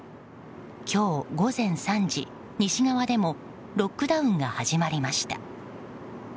今日午前３時、西側でもロックダウンが始まりました。